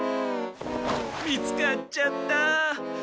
見つかっちゃった。